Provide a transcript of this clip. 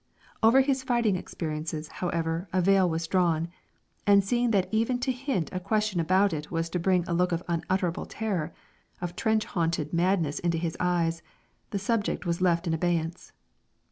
Over his fighting experiences, however, a veil was drawn; and seeing that even to hint a question about it was to bring a look of unutterable terror, of trench haunted madness into his eyes, the subject was left in abeyance.